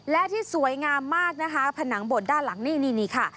และที่สวยงามมากนะคะผนังบดด้านหลังนี่นี่ค่ะ